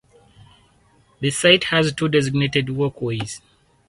The site has two designated walkways.